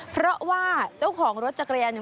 เพราะว่าเจ้าของรถจักรยานเนี่ย